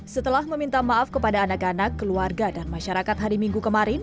setelah meminta maaf kepada anak anak keluarga dan masyarakat hari minggu kemarin